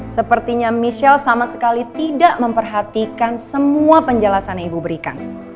sepertinya michelle sama sekali tidak memperhatikan semua penjelasan yang ibu berikan